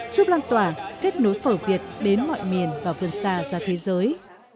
giúp lan tòa kết nối phở việt đến mọi miền và vườn xa ra thế giới